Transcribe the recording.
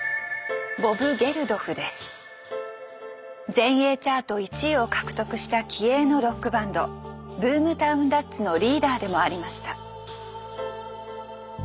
全英チャート１位を獲得した気鋭のロックバンドブームタウン・ラッツのリーダーでもありました。